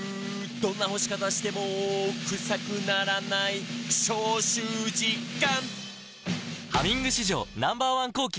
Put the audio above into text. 「どんな干し方してもクサくならない」「消臭実感！」